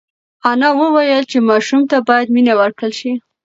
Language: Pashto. انا وویل چې ماشوم ته باید مینه ورکړل شي.